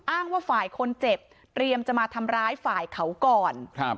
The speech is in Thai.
ว่าฝ่ายคนเจ็บเตรียมจะมาทำร้ายฝ่ายเขาก่อนครับ